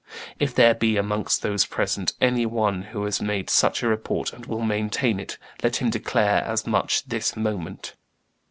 If there be, amongst those present, any one who has made such a report and will maintain it, let him declare as much this moment.